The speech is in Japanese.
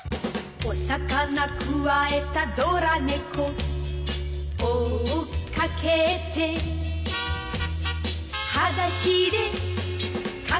「お魚くわえたドラ猫」「追っかけて」「はだしでかけてく」